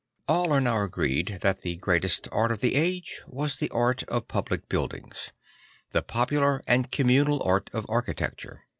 All are now agreed that the greatest art of the age was the art of public buildings; the popular and communal art of architecture.